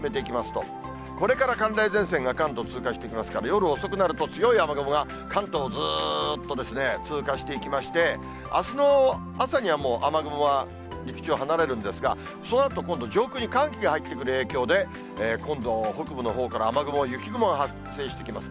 これから寒冷前線が関東通過してきますから、夜遅くなると強い雨雲が関東ずっとですね、通過していきまして、あすの朝にはもう雨雲は陸地を離れるんですが、そのあと、今度上空に寒気が入ってくる影響で、今度は北部のほうから雨雲、雪雲が発生してきます。